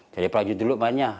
jadi pelajur dulu mainnya